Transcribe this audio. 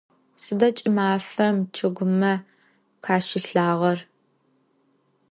Sıda ç'ımafem ççıgıme khaşilhağer?